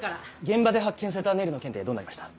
現場で発見されたネイルの件ってどうなりました？